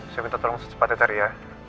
saya minta tolong secepatnya tadi ya